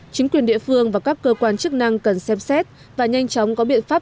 chính quyền địa phương và các cơ quan chức năng cần xem xét và nhanh chóng có biện pháp